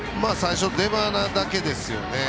出鼻だけですよね。